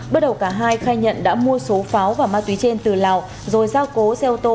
bước đầu cả hai khai nhận đã mua số pháo và ma túy trên từ lào rồi giao cố xe ô tô